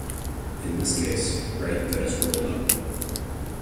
In this case, write that is "rolled up".